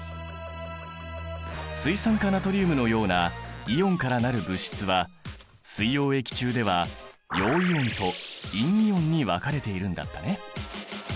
水酸化ナトリウムのようなイオンから成る物質は水溶液中では陽イオンと陰イオンに分かれているんだったね。